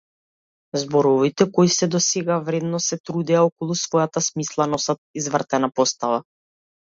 Зборовите кои сѐ до сега вредно се трудеа околу својата смисла носат извртена постава.